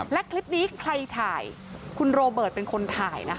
และคลิปนี้ใครถ่ายคุณโรเบิร์ตเป็นคนถ่ายนะคะ